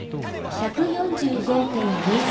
１４５．２３！